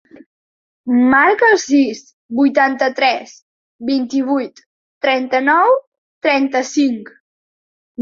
Marca el sis, vuitanta-tres, vint-i-vuit, trenta-nou, trenta-cinc.